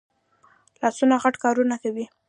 لاسونه غټ کارونه کوي